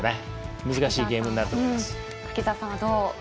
難しいゲームになると思います。